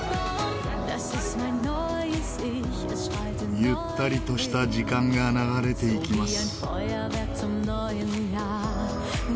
ゆったりとした時間が流れていきます。